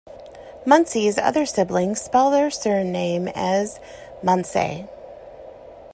Muncie's other siblings spell their surname as "Munsey".